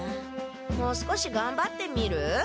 もう少しがんばってみる？